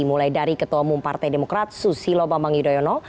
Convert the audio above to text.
mulai dari ketua umum partai demokrat susilo bambang yudhoyono